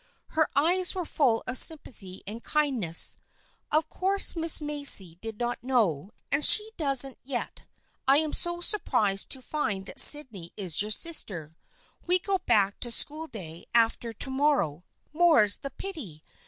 Her eyes were full of sympathy and kindness. " Of course Miss Macy did not know, and she doesn't yet. I am so surprised to find that Sydney is your sister. We go back to school day after to morrow, more's the pity